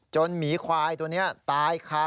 จนหมีขวายตัวนี้ตายคา